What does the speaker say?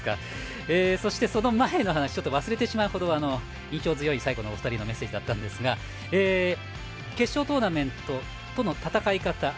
そして、その前の話を忘れてしまうほど印象強い最後のお二人へのメッセージだったんですが決勝トーナメントでの戦い方。